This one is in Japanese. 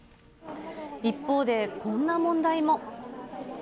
一方で、こんな問題も。